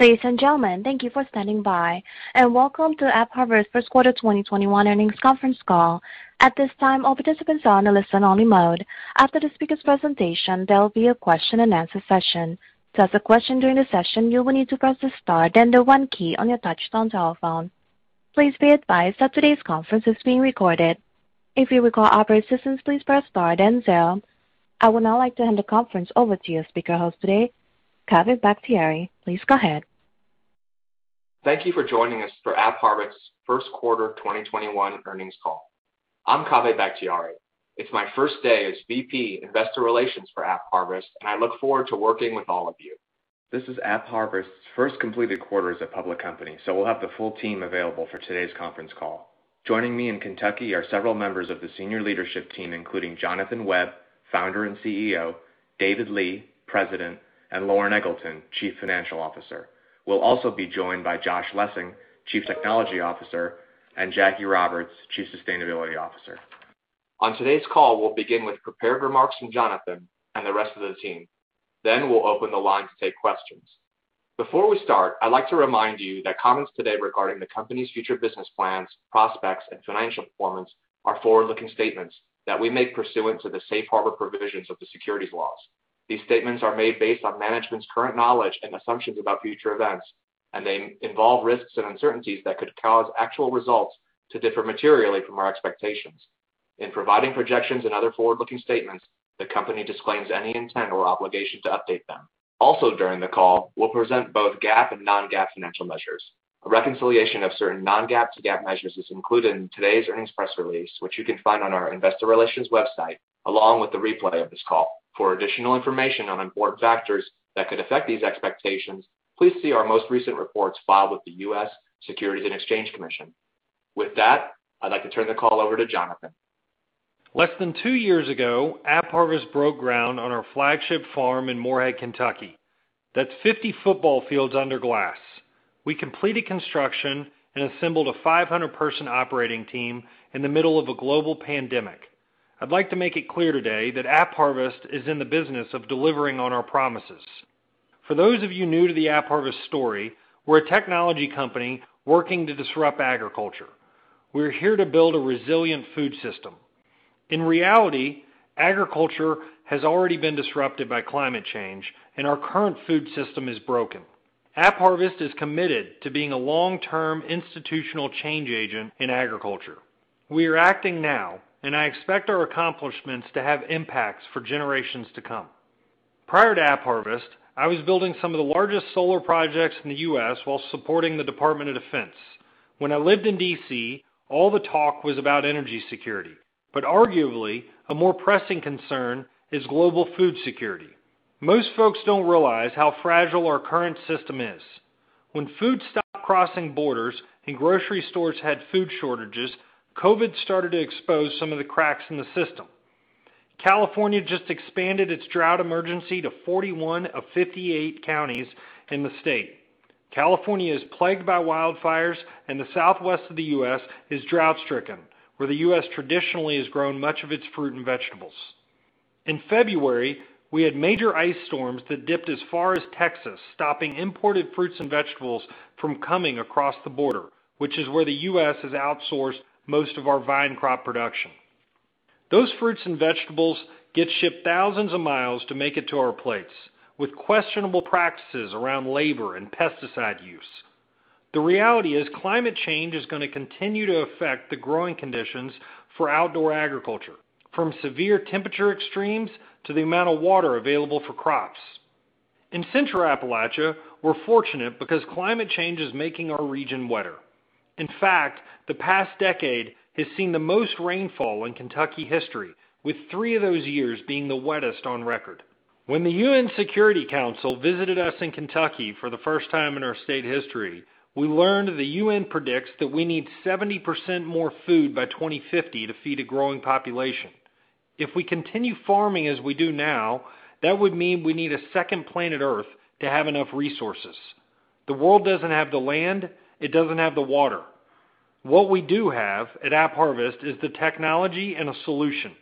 Ladies and gentlemen, thank you for standing by. Welcome to AppHarvest's First Quarter 2021 Earnings Conference Call. At this time, all participants are on a listen only mode. After the speakers' presentation, there will be a question and answer session. To ask a question during the session, you will need to press the star, then the one key on your touch-tone telephone. Please be advised that today's conference is being recorded. If you require operator assistance, please press star, then zero. I would now like to hand the conference over to your speaker host today, Kaveh Bakhtiari. Please go ahead. Thank you for joining us for AppHarvest's first quarter 2021 earnings call. I'm Kaveh Bakhtiari. It's my first day as VP Investor Relations for AppHarvest, and I look forward to working with all of you. This is AppHarvest's first completed quarter as a public company, so we'll have the full team available for today's conference call. Joining me in Kentucky are several members of the senior leadership team, including Jonathan Webb, Founder and CEO, David Lee, President, and Loren Eggleton, Chief Financial Officer. We'll also be joined by Josh Lessing, Chief Technology Officer, and Jackie Roberts, Chief Sustainability Officer. On today's call, we'll begin with prepared remarks from Jonathan and the rest of the team. We'll open the line to take questions. Before we start, I'd like to remind you that comments today regarding the company's future business plans, prospects, and financial performance are forward-looking statements that we make pursuant to the safe harbor provisions of the securities laws. These statements are made based on management's current knowledge and assumptions about future events, and they involve risks and uncertainties that could cause actual results to differ materially from our expectations. In providing projections and other forward-looking statements, the company disclaims any intent or obligation to update them. During the call, we'll present both GAAP and non-GAAP financial measures. A reconciliation of certain non-GAAP to GAAP measures is included in today's earnings press release, which you can find on our investor relations website, along with the replay of this call. For additional information on important factors that could affect these expectations, please see our most recent reports filed with the U.S. Securities and Exchange Commission. With that, I'd like to turn the call over to Jonathan. Less than two years ago, AppHarvest broke ground on our flagship farm in Morehead, Kentucky. That's 50 football fields under glass. We completed construction and assembled a 500-person operating team in the middle of a global pandemic. I'd like to make it clear today that AppHarvest is in the business of delivering on our promises. For those of you new to the AppHarvest story, we're a technology company working to disrupt agriculture. We're here to build a resilient food system. In reality, agriculture has already been disrupted by climate change, and our current food system is broken. AppHarvest is committed to being a long-term institutional change agent in agriculture. We are acting now, and I expect our accomplishments to have impacts for generations to come. Prior to AppHarvest, I was building some of the largest solar projects in the U.S. while supporting the Department of Defense. When I lived in D.C., all the talk was about energy security, but arguably, a more pressing concern is global food security. Most folks don't realize how fragile our current system is. When food stopped crossing borders and grocery stores had food shortages, COVID started to expose some of the cracks in the system. California just expanded its drought emergency to 41/58 counties in the state. California is plagued by wildfires, and the Southwest of the U.S. is drought-stricken, where the U.S. traditionally has grown much of its fruit and vegetables. In February, we had major ice storms that dipped as far as Texas, stopping imported fruits and vegetables from coming across the border, which is where the U.S. has outsourced most of our vine crop production. Those fruits and vegetables get shipped thousands of miles to make it to our plates, with questionable practices around labor and pesticide use. The reality is climate change is going to continue to affect the growing conditions for outdoor agriculture, from severe temperature extremes to the amount of water available for crops. In Central Appalachia, we're fortunate because climate change is making our region wetter. In fact, the past decade has seen the most rainfall in Kentucky history, with three of those years being the wettest on record. When the UN Security Council visited us in Kentucky for the first time in our state history, we learned the UN predicts that we need 70% more food by 2050 to feed a growing population. If we continue farming as we do now, that would mean we need a second planet Earth to have enough resources. The world doesn't have the land, it doesn't have the water. What we do have at AppHarvest is the technology and a solution.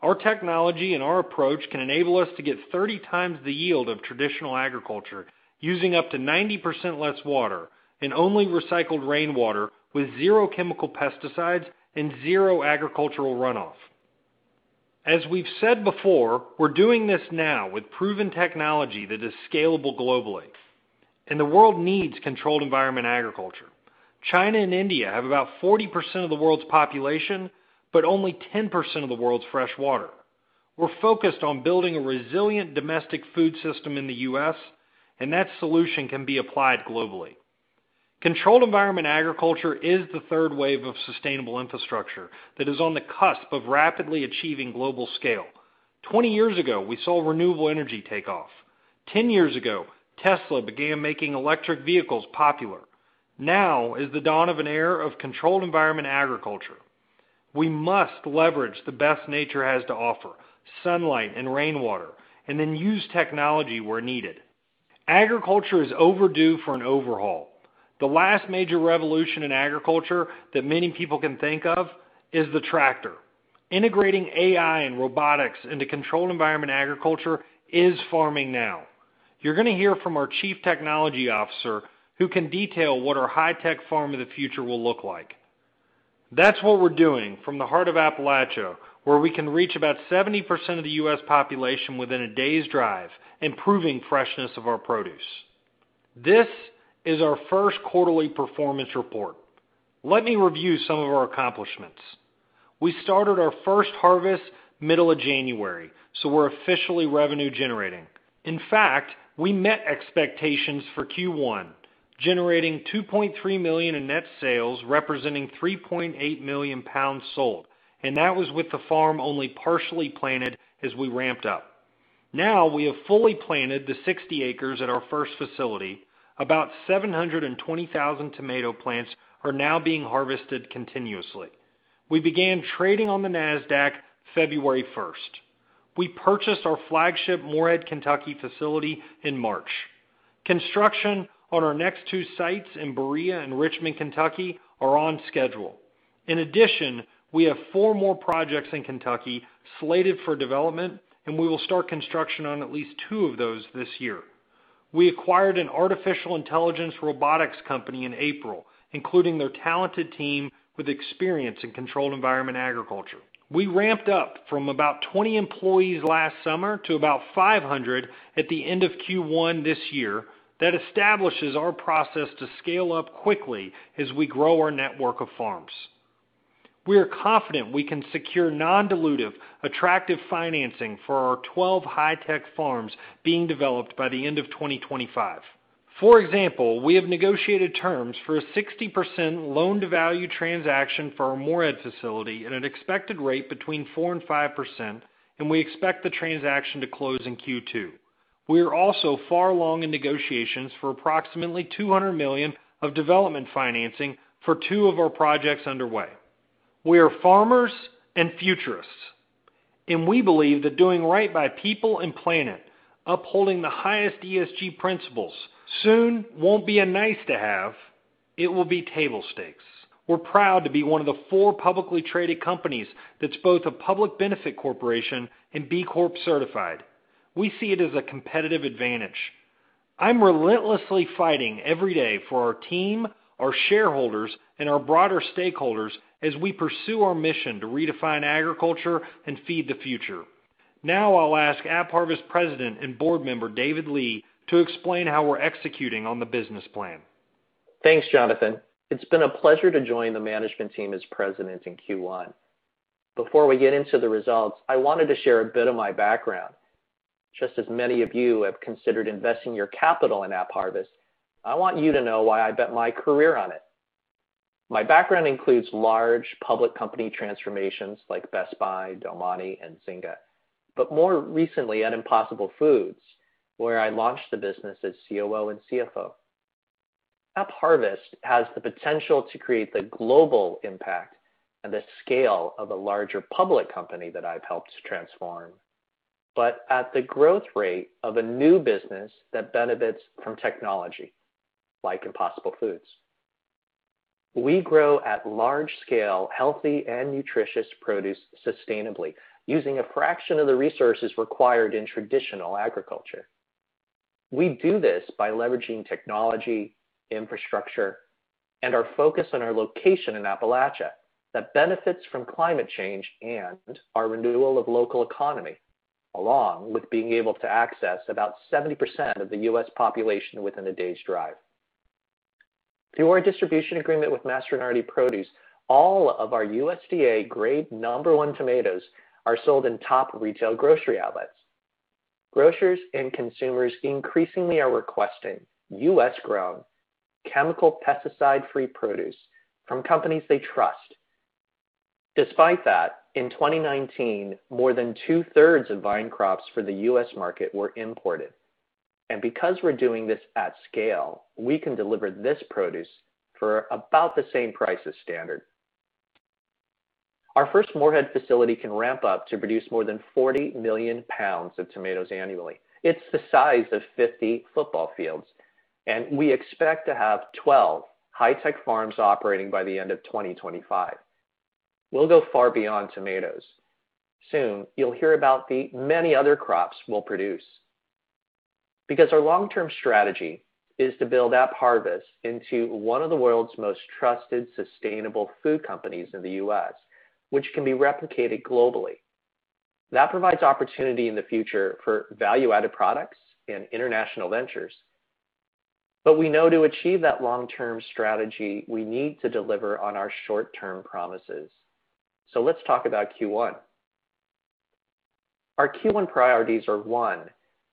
Our technology and our approach can enable us to get 30x the yield of traditional agriculture, using up to 90% less water and only recycled rainwater with zero chemical pesticides and zero agricultural runoff. As we've said before, we're doing this now with proven technology that is scalable globally, and the world needs controlled environment agriculture. China and India have about 40% of the world's population, but only 10% of the world's fresh water. We're focused on building a resilient domestic food system in the U.S., and that solution can be applied globally. Controlled environment agriculture is the third wave of sustainable infrastructure that is on the cusp of rapidly achieving global scale. 20 years ago, we saw renewable energy take off. 10 years ago, Tesla began making electric vehicles popular. Now is the dawn of an era of Controlled Environment Agriculture. We must leverage the best nature has to offer, sunlight and rainwater, and then use technology where needed. Agriculture is overdue for an overhaul. The last major revolution in agriculture that many people can think of is the tractor. Integrating AI and robotics into Controlled Environment Agriculture is farming now. You're going to hear from our Chief Technology Officer who can detail what our high-tech farm of the future will look like. That's what we're doing from the heart of Appalachia, where we can reach about 70% of the U.S. population within a day's drive, improving freshness of our produce. This is our first quarterly performance report. Let me review some of our accomplishments. We started our first harvest middle of January, so we're officially revenue generating. In fact, we met expectations for Q1, generating $2.3 million in net sales, representing 3.8 million pounds sold, and that was with the farm only partially planted as we ramped up. Now we have fully planted the 60 acres at our first facility. About 720,000 tomato plants are now being harvested continuously. We began trading on the Nasdaq February 1st. We purchased our flagship Morehead, Kentucky facility in March. Construction on our next two sites in Berea and Richmond, Kentucky are on schedule. In addition, we have four more projects in Kentucky slated for development, and we will start construction on at least two of those this year. We acquired an artificial intelligence robotics company in April, including their talented team with experience in Controlled Environment Agriculture. We ramped up from about 20 employees last summer to about 500 at the end of Q1 this year. That establishes our process to scale up quickly as we grow our network of farms. We are confident we can secure non-dilutive, attractive financing for our 12 high-tech farms being developed by the end of 2025. For example, we have negotiated terms for a 60% loan-to-value transaction for our Morehead facility at an expected rate between 4% and 5%, and we expect the transaction to close in Q2. We are also far along in negotiations for approximately $200 million of development financing for two of our projects underway. We are farmers and futurists, and we believe that doing right by people and planet, upholding the highest ESG principles, soon won't be a nice-to-have, it will be table stakes. We're proud to be one of the four publicly traded companies that's both a public benefit corporation and B Corp certified. We see it as a competitive advantage. I'm relentlessly fighting every day for our team, our shareholders, and our broader stakeholders as we pursue our mission to redefine agriculture and feed the future. Now I'll ask AppHarvest President and Board Member, David Lee, to explain how we're executing on the business plan. Thanks, Jonathan. It's been a pleasure to join the management team as president in Q1. Before we get into the results, I wanted to share a bit of my background. Just as many of you have considered investing your capital in AppHarvest, I want you to know why I bet my career on it. My background includes large public company transformations like Best Buy, Dole, and Zynga, but more recently at Impossible Foods, where I launched the business as COO and CFO. AppHarvest has the potential to create the global impact and the scale of a larger public company that I've helped to transform, but at the growth rate of a new business that benefits from technology, like Impossible Foods. We grow at large scale healthy and nutritious produce sustainably using a fraction of the resources required in traditional agriculture. We do this by leveraging technology, infrastructure, and our focus on our location in Appalachia, that benefits from climate change and our renewal of local economy, along with being able to access about 70% of the U.S. population within a day's drive. Through our distribution agreement with Mastronardi Produce, all of our USDA Grade Number 1 tomatoes are sold in top retail grocery outlets. Grocers and consumers increasingly are requesting U.S.-grown, chemical pesticide-free produce from companies they trust. Despite that, in 2019, more than 2/3 of vine crops for the U.S. market were imported. Because we're doing this at scale, we can deliver this produce for about the same price as standard. Our first Morehead facility can ramp up to produce more than 40 million pounds of tomatoes annually. It's the size of 50 football fields, and we expect to have 12 high-tech farms operating by the end of 2025. We'll go far beyond tomatoes. Soon, you'll hear about the many other crops we'll produce. Our long-term strategy is to build AppHarvest into one of the world's most trusted, sustainable food companies in the U.S., which can be replicated globally. That provides opportunity in the future for value-added products and international ventures. We know to achieve that long-term strategy, we need to deliver on our short-term promises. Let's talk about Q1. Our Q1 priorities are, one,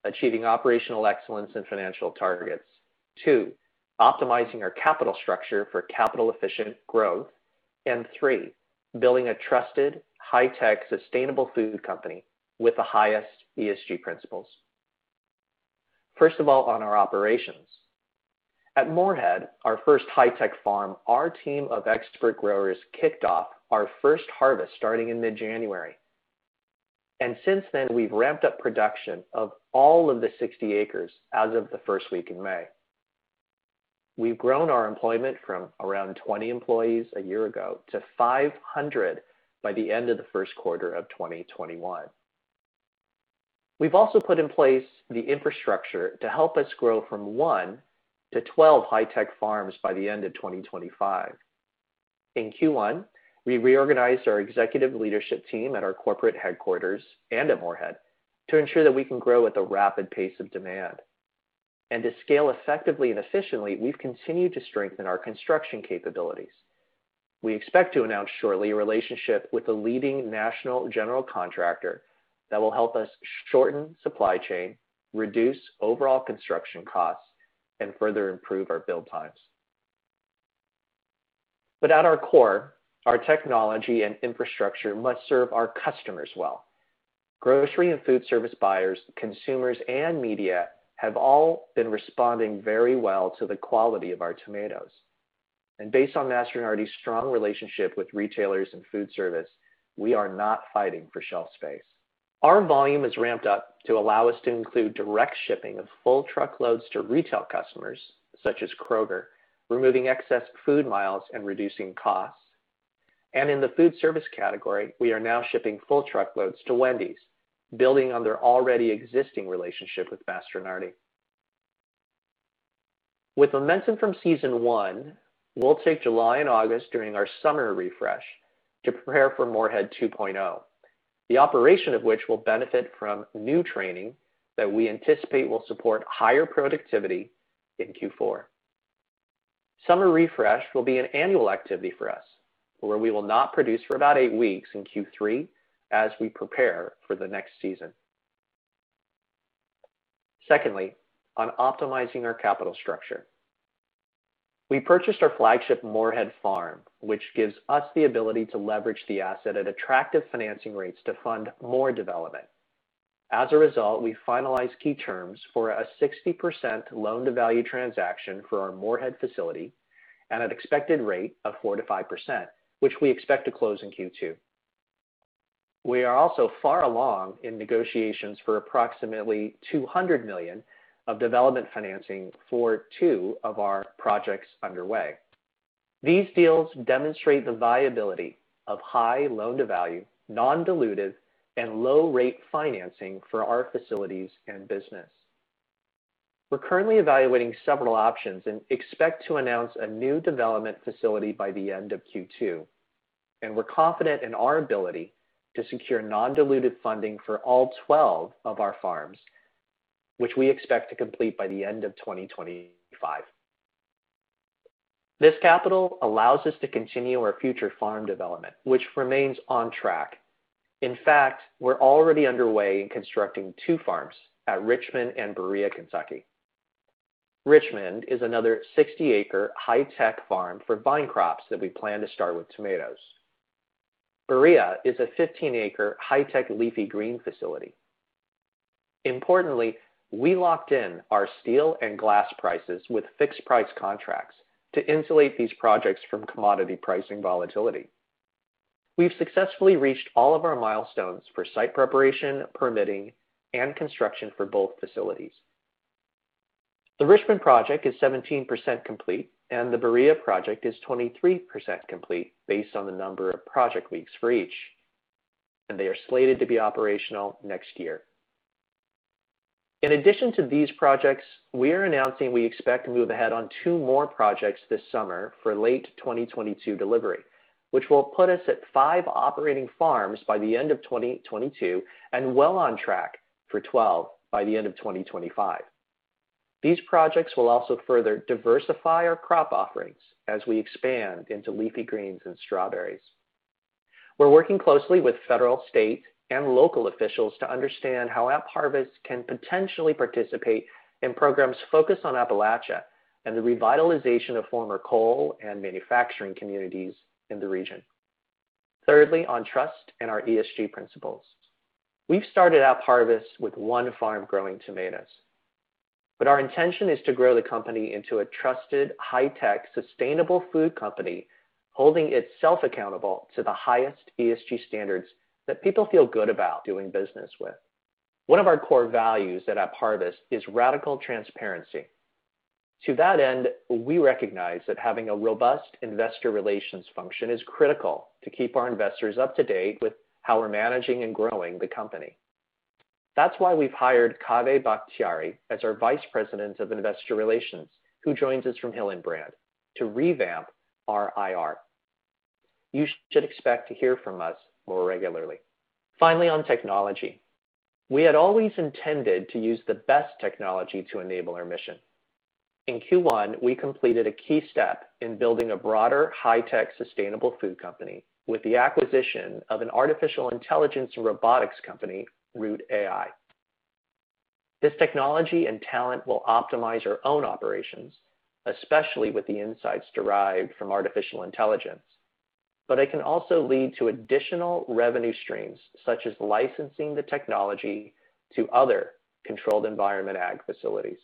achieving operational excellence and financial targets. Two, optimizing our capital structure for capital efficient growth. Three, building a trusted high-tech, sustainable food company with the highest ESG principles. First of all, on our operations. At Morehead, our first high-tech farm, our team of expert growers kicked off our first harvest starting in mid-January. Since then, we've ramped up production of all of the 60 acres as of the first week in May. We've grown our employment from around 20 employees a year ago to 500 by the end of the first quarter of 2021. We've also put in place the infrastructure to help us grow from one to 12 high-tech farms by the end of 2025. In Q1, we reorganized our executive leadership team at our corporate headquarters and at Morehead to ensure that we can grow with the rapid pace of demand. To scale effectively and efficiently, we've continued to strengthen our construction capabilities. We expect to announce shortly a relationship with a leading national general contractor that will help us shorten supply chain, reduce overall construction costs, and further improve our build times. At our core, our technology and infrastructure must serve our customers well. Grocery and food service buyers, consumers, and media have all been responding very well to the quality of our tomatoes. Based on Mastronardi's strong relationship with retailers and food service, we are not fighting for shelf space. Our volume has ramped up to allow us to include direct shipping of full truckloads to retail customers, such as Kroger, removing excess food miles and reducing costs. In the food service category, we are now shipping full truckloads to Wendy's, building on their already existing relationship with Mastronardi. With momentum from season one, we'll take July and August during our summer refresh to prepare for Morehead 2.0, the operation of which will benefit from new training that we anticipate will support higher productivity in Q4. Summer refresh will be an annual activity for us, where we will not produce for about eight weeks in Q3 as we prepare for the next season. Secondly, on optimizing our capital structure. We purchased our flagship Morehead farm, which gives us the ability to leverage the asset at attractive financing rates to fund more development. As a result, we finalized key terms for a 60% loan-to-value transaction for our Morehead facility at an expected rate of 4%-5%, which we expect to close in Q2. We are also far along in negotiations for approximately $200 million of development financing for two of our projects underway. These deals demonstrate the viability of high loan-to-value, non-dilutive, and low-rate financing for our facilities and business. We're currently evaluating several options and expect to announce a new development facility by the end of Q2. We're confident in our ability to secure non-dilutive funding for all 12 of our farms, which we expect to complete by the end of 2025. This capital allows us to continue our future farm development, which remains on track. In fact, we're already underway in constructing two farms at Richmond and Berea, Kentucky. Richmond is another 60-acre high-tech farm for vine crops that we plan to start with tomatoes. Berea is a 15-acre high-tech leafy green facility. Importantly, we locked in our steel and glass prices with fixed price contracts to insulate these projects from commodity pricing volatility. We've successfully reached all of our milestones for site preparation, permitting, and construction for both facilities. The Richmond project is 17% complete, and the Berea project is 23% complete based on the number of project weeks for each, and they are slated to be operational next year. In addition to these projects, we are announcing we expect to move ahead on two more projects this summer for late 2022 delivery, which will put us at five operating farms by the end of 2022 and well on track for 12 by the end of 2025. These projects will also further diversify our crop offerings as we expand into leafy greens and strawberries. We're working closely with federal, state, and local officials to understand how AppHarvest can potentially participate in programs focused on Appalachia and the revitalization of former coal and manufacturing communities in the region. Thirdly, on trust and our ESG principles. We started AppHarvest with one farm growing tomatoes, our intention is to grow the company into a trusted, high-tech, sustainable food company, holding itself accountable to the highest ESG standards that people feel good about doing business with. One of our core values at AppHarvest is radical transparency. To that end, we recognize that having a robust investor relations function is critical to keep our investors up to date with how we're managing and growing the company. That's why we've hired Kaveh Bakhtiari as our Vice President of Investor Relations, who joins us from Hillenbrand, to revamp our IR. You should expect to hear from us more regularly. On technology. We had always intended to use the best technology to enable our mission. In Q1, we completed a key step in building a broader high-tech, sustainable food company with the acquisition of an artificial intelligence robotics company, Root AI. This technology and talent will optimize our own operations, especially with the insights derived from artificial intelligence, but it can also lead to additional revenue streams, such as licensing the technology to other controlled environment ag facilities.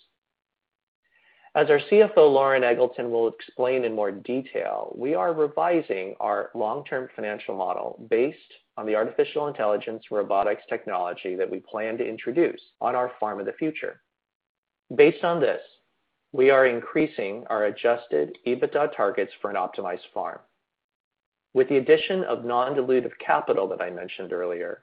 As our CFO, Loren Eggleton will explain in more detail, we are revising our long-term financial model based on the artificial intelligence robotics technology that we plan to introduce on our farm of the future. Based on this, we are increasing our adjusted EBITDA targets for an optimized farm. With the addition of non-dilutive capital that I mentioned earlier,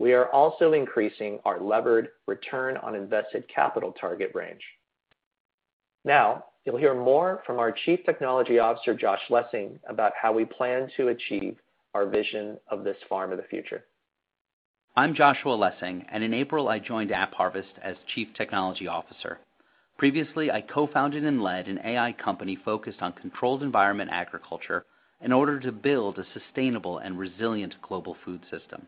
we are also increasing our levered Return on Invested Capital target range. You'll hear more from our Chief Technology Officer, Josh Lessing, about how we plan to achieve our vision of this farm of the future. I'm Joshua Lessing, and in April I joined AppHarvest as Chief Technology Officer. Previously, I co-founded and led an AI company focused on controlled environment agriculture in order to build a sustainable and resilient global food system.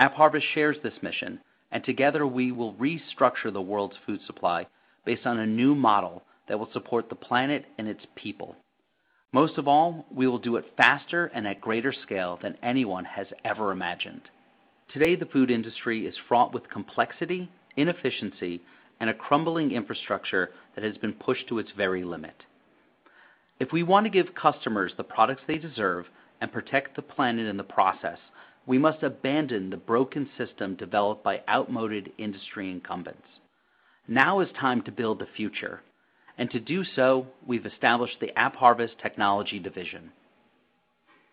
AppHarvest shares this mission, and together we will restructure the world's food supply based on a new model that will support the planet and its people. Most of all, we will do it faster and at greater scale than anyone has ever imagined. Today, the food industry is fraught with complexity, inefficiency, and a crumbling infrastructure that has been pushed to its very limit. If we want to give customers the products they deserve and protect the planet in the process, we must abandon the broken system developed by outmoded industry incumbents. Now it's time to build the future, and to do so, we've established the AppHarvest technology division.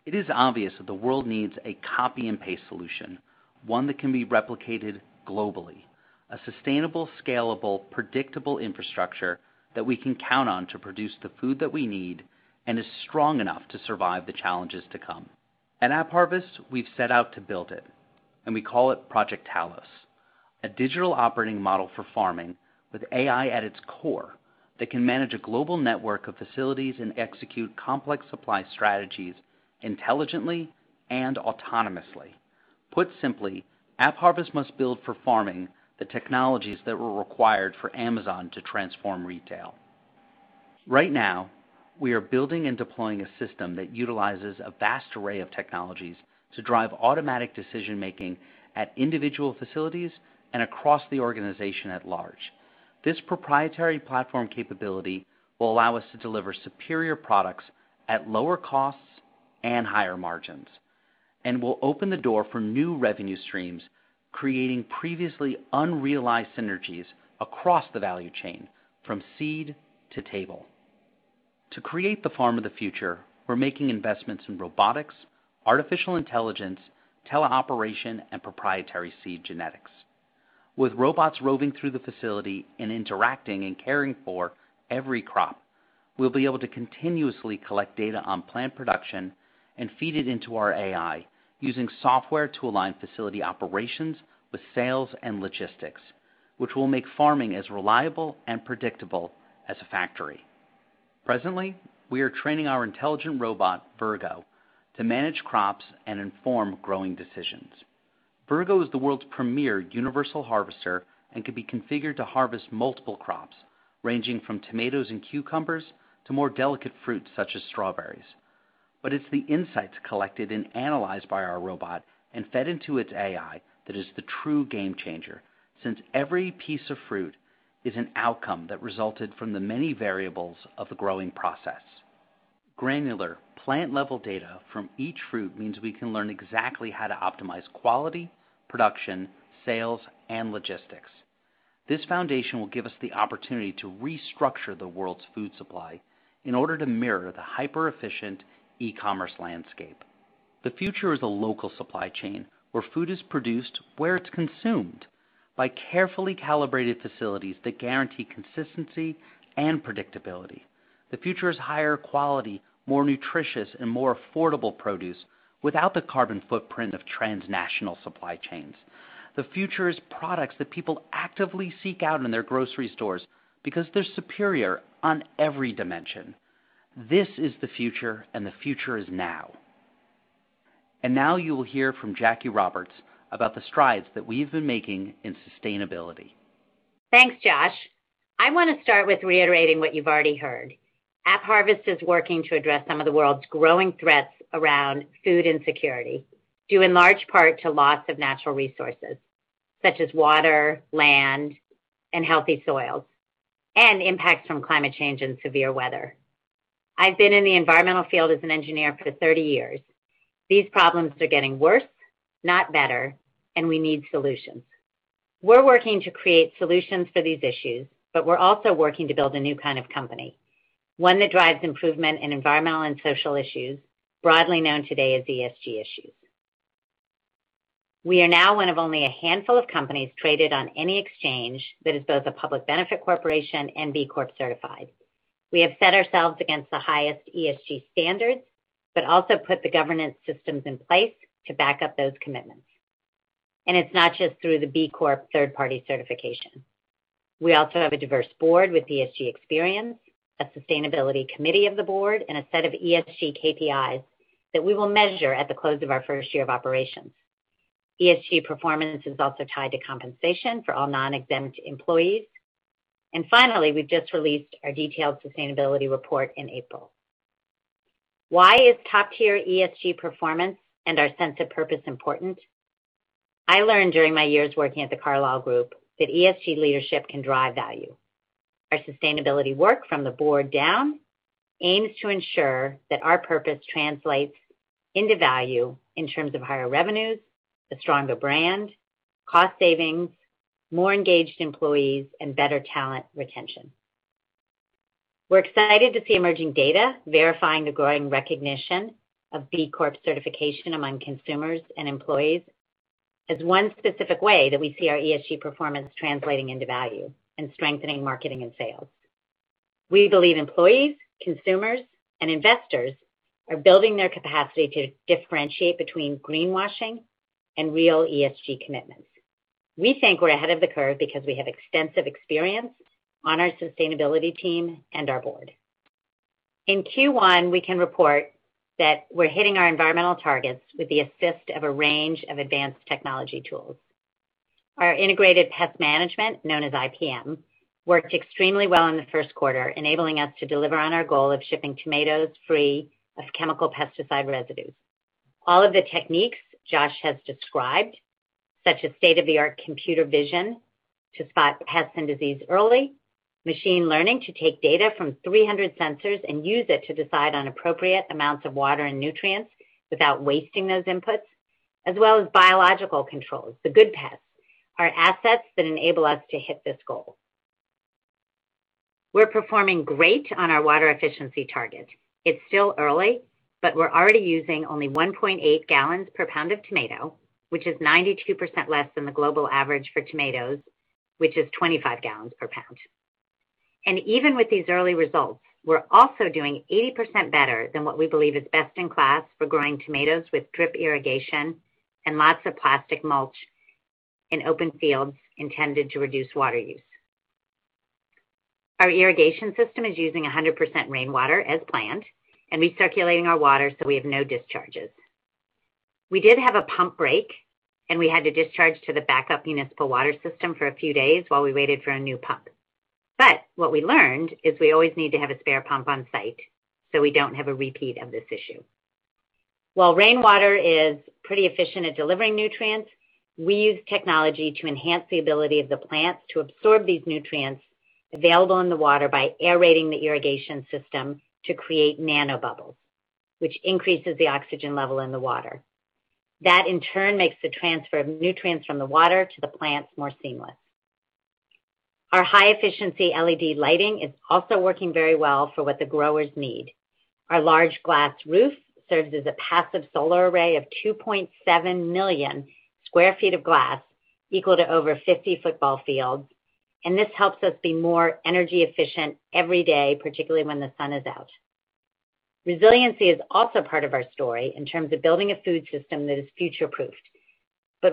It is obvious that the world needs a copy and paste solution, one that can be replicated globally, a sustainable, scalable, predictable infrastructure that we can count on to produce the food that we need and is strong enough to survive the challenges to come. At AppHarvest, we've set out to build it, and we call it Project Talos, a digital operating model for farming with AI at its core that can manage a global network of facilities and execute complex supply strategies intelligently and autonomously. Put simply, AppHarvest must build for farming the technologies that were required for Amazon to transform retail. Right now, we are building and deploying a system that utilizes a vast array of technologies to drive automatic decision-making at individual facilities and across the organization at large. This proprietary platform capability will allow us to deliver superior products at lower costs and higher margins and will open the door for new revenue streams, creating previously unrealized synergies across the value chain from seed to table. To create the farm of the future, we're making investments in robotics, artificial intelligence, teleoperation, and proprietary seed genetics. With robots roving through the facility and interacting and caring for every crop, we'll be able to continuously collect data on plant production and feed it into our AI using software to align facility operations with sales and logistics, which will make farming as reliable and predictable as a factory. Presently, we are training our intelligent robot, Virgo, to manage crops and inform growing decisions. Virgo is the world's premier universal harvester and can be configured to harvest multiple crops, ranging from tomatoes and cucumbers to more delicate fruits such as strawberries. It's the insights collected and analyzed by our robot and fed into its AI that is the true game changer, since every piece of fruit is an outcome that resulted from the many variables of the growing process. Granular plant-level data from each fruit means we can learn exactly how to optimize quality, production, sales, and logistics. This foundation will give us the opportunity to restructure the world's food supply in order to mirror the hyper-efficient e-commerce landscape. The future is a local supply chain where food is produced, where it's consumed by carefully calibrated facilities that guarantee consistency and predictability. The future is higher quality, more nutritious, and more affordable produce without the carbon footprint of transnational supply chains. The future is products that people actively seek out in their grocery stores because they're superior on every dimension. This is the future, and the future is now. Now you will hear from Jackie Roberts about the strides that we've been making in sustainability. Thanks, Josh. I want to start with reiterating what you've already heard. AppHarvest is working to address some of the world's growing threats around food insecurity, due in large part to loss of natural resources such as water, land, and healthy soils, and impacts from climate change and severe weather. I've been in the environmental field as an engineer for 30 years. These problems are getting worse, not better, and we need solutions. We're working to create solutions for these issues, but we're also working to build a new kind of company, one that drives improvement in environmental and social issues, broadly known today as ESG issues. We are now one of only a handful of companies traded on any exchange that is both a public benefit corporation and B Corp certified. We have set ourselves against the highest ESG standards but also put the governance systems in place to back up those commitments. It's not just through the B Corp third-party certification. We also have a diverse board with ESG experience, a sustainability committee of the board, and a set of ESG KPIs that we will measure at the close of our first year of operations. ESG performance is also tied to compensation for all non-exempt employees. Finally, we've just released our detailed sustainability report in April. Why is top-tier ESG performance and our sense of purpose important? I learned during my years working at The Carlyle Group that ESG leadership can drive value. Our sustainability work from the board down aims to ensure that our purpose translates into value in terms of higher revenues, a stronger brand, cost savings, more engaged employees, and better talent retention. We're excited to see emerging data verifying the growing recognition of B Corp certification among consumers and employees as one specific way that we see our ESG performance translating into value and strengthening marketing and sales. We believe employees, consumers, and investors are building their capacity to differentiate between greenwashing and real ESG commitments. We think we're ahead of the curve because we have extensive experience on our sustainability team and our board. In Q1, we can report that we're hitting our environmental targets with the assist of a range of advanced technology tools. Our integrated pest management, known as IPM, worked extremely well in the first quarter, enabling us to deliver on our goal of shipping tomatoes free of chemical pesticide residues. All of the techniques Josh has described, such as state-of-the-art computer vision to spot pests and disease early, machine learning to take data from 300 sensors and use it to decide on appropriate amounts of water and nutrients without wasting those inputs, as well as biological controls, the good pests, are assets that enable us to hit this goal. We're performing great on our water efficiency target. It's still early, but we're already using only 1.8 gallons per pound of tomato, which is 92% less than the global average for tomatoes, which is 25 gallons per pound. Even with these early results, we're also doing 80% better than what we believe is best in class for growing tomatoes with drip irrigation and lots of plastic mulch in open fields intended to reduce water use. Our irrigation system is using 100% rainwater as planned and recirculating our water so we have no discharges. We did have a pump break, and we had to discharge to the backup municipal water system for a few days while we waited for a new pump. What we learned is we always need to have a spare pump on-site, so we don't have a repeat of this issue. While rainwater is pretty efficient at delivering nutrients, we use technology to enhance the ability of the plants to absorb these nutrients available in the water by aerating the irrigation system to create nanobubbles, which increases the oxygen level in the water. That in turn makes the transfer of nutrients from the water to the plants more seamless. Our high-efficiency LED lighting is also working very well for what the growers need. Our large glass roof serves as a passive solar array of 2.7 million square feet of glass, equal to over 50 football fields. This helps us be more energy efficient every day, particularly when the sun is out. Resiliency is also part of our story in terms of building a food system that is future-proofed.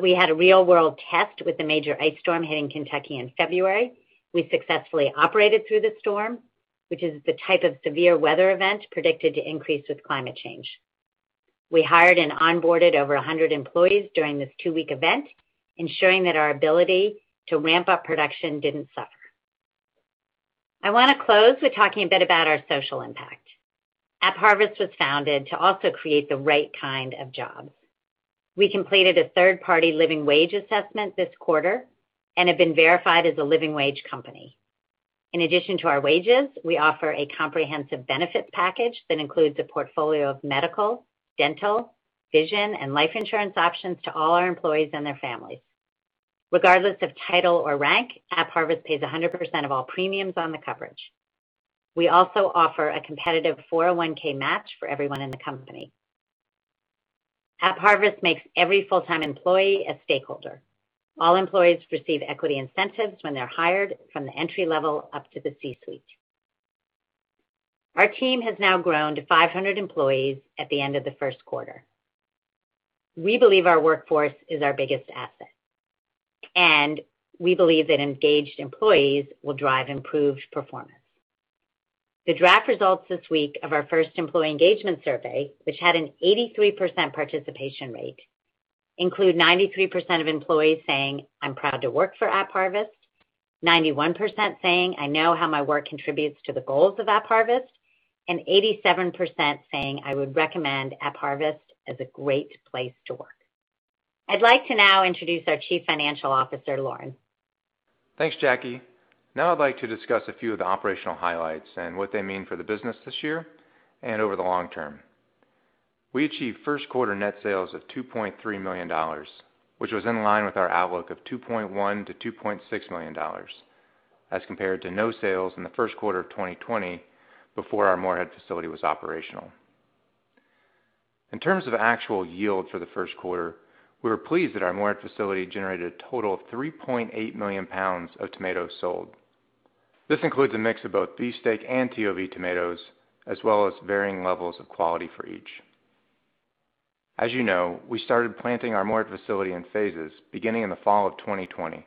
We had a real-world test with a major ice storm here in Kentucky in February. We successfully operated through the storm, which is the type of severe weather event predicted to increase with climate change. We hired and onboarded over 100 employees during this two-week event, ensuring that our ability to ramp up production didn't suffer. I want to close with talking a bit about our social impact. AppHarvest was founded to also create the right kind of jobs. We completed a third-party living wage assessment this quarter and have been verified as a living wage company. In addition to our wages, we offer a comprehensive benefits package that includes a portfolio of medical, dental, vision, and life insurance options to all our employees and their families. Regardless of title or rank, AppHarvest pays 100% of all premiums on the coverage. We also offer a competitive 401(k) match for everyone in the company. AppHarvest makes every full-time employee a stakeholder. All employees receive equity incentives when they're hired from the entry level up to the C-suite. Our team has now grown to 500 employees at the end of the first quarter. We believe our workforce is our biggest asset, and we believe that engaged employees will drive improved performance. The draft results this week of our first employee engagement survey, which had an 83% participation rate, include 93% of employees saying, "I'm proud to work for AppHarvest," 91% saying, "I know how my work contributes to the goals of AppHarvest," and 87% saying, "I would recommend AppHarvest as a great place to work." I'd like to now introduce our Chief Financial Officer, Loren. Thanks, Jackie. Now I'd like to discuss a few of the operational highlights and what they mean for the business this year and over the long term. We achieved first quarter net sales of $2.3 million, which was in line with our outlook of $2.1 million-$2.6 million, as compared to no sales in the first quarter of 2020 before our Morehead facility was operational. In terms of actual yield for the first quarter, we were pleased that our Morehead facility generated a total of 3.8 million pounds of tomatoes sold. This includes a mix of both beefsteak and TOV tomatoes, as well as varying levels of quality for each. As you know, we started planting our Morehead facility in phases beginning in the fall of 2020.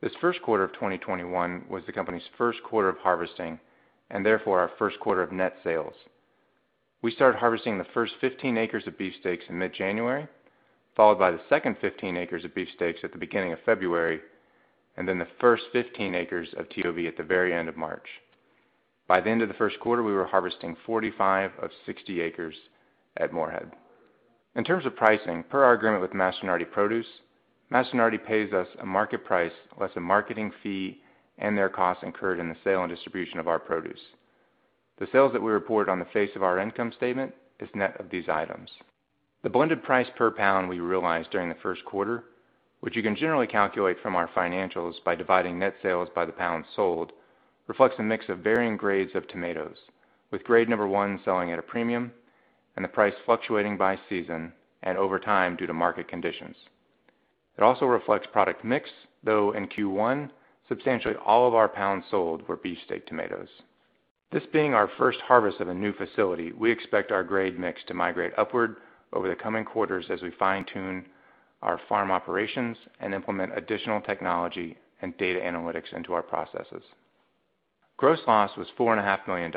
This first quarter of 2021 was the company's first quarter of harvesting, and therefore our first quarter of net sales. We started harvesting the first 15 acres of beefsteaks in mid-January, followed by the second 15 acres of beefsteaks at the beginning of February. The first 15 acres of TOV at the very end of March. By the end of the first quarter, we were harvesting 45/60 acres at Morehead. In terms of pricing, per our agreement with Mastronardi Produce, Mastronardi pays us a market price less a marketing fee and their costs incurred in the sale and distribution of our produce. The sales that we report on the face of our income statement is net of these items. The blended price per pound we realized during the first quarter, which you can generally calculate from our financials by dividing net sales by the pounds sold, reflects a mix of varying grades of tomatoes, with Grade Number 1 selling at a premium and the price fluctuating by season and over time due to market conditions. It also reflects product mix, though in Q1, substantially all of our pounds sold were beefsteak tomatoes. This being our first harvest of a new facility, we expect our grade mix to migrate upward over the coming quarters as we fine-tune our farm operations and implement additional technology and data analytics into our processes. Gross loss was $4.5 million,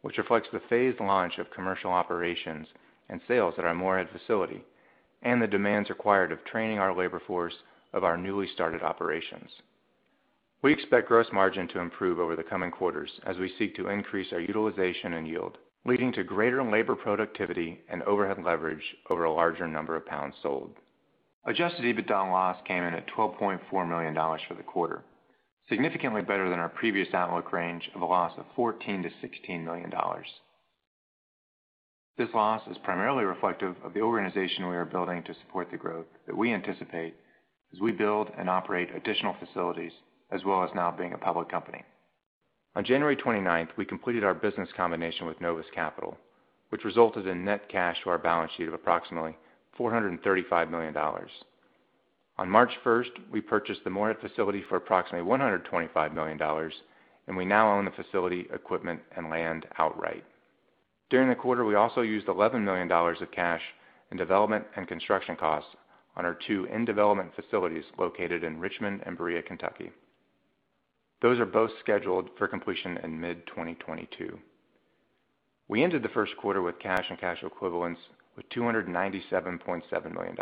which reflects the phased launch of commercial operations and sales at our Morehead facility and the demands required of training our labor force of our newly started operations. We expect gross margin to improve over the coming quarters as we seek to increase our utilization and yield, leading to greater labor productivity and overhead leverage over a larger number of pounds sold. Adjusted EBITDA loss came in at $12.4 million for the quarter, significantly better than our previous outlook range of a loss of $14 million-$16 million. This loss is primarily reflective of the organization we are building to support the growth that we anticipate as we build and operate additional facilities, as well as now being a public company. On January 29th, we completed our business combination with Novus Capital, which resulted in net cash to our balance sheet of approximately $435 million. On March 1st, we purchased the Morehead facility for approximately $125 million, and we now own the facility, equipment, and land outright. During the quarter, we also used $11 million of cash in development and construction costs on our two in-development facilities located in Richmond and Berea, Kentucky. Those are both scheduled for completion in mid-2022. We ended the first quarter with cash and cash equivalents with $297.7 million.